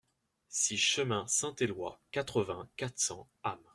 six chemin Saint-Éloi, quatre-vingts, quatre cents, Ham